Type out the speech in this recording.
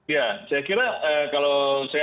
ya saya kira kalau saya